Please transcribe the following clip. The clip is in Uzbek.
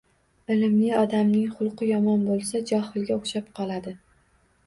Ilmli odamning xulqi yomon bo‘lsa, johilga o‘xshab qoladi.